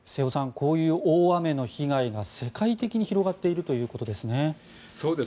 こういう大雨の被害が世界的に広がっているということですね。